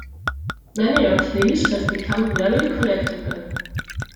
Many of these have become very collectable.